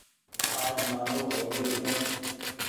آج مآندو هوگيو ڇون ۔